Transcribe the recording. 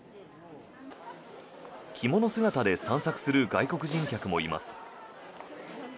着物姿で散策する外国人客もいます。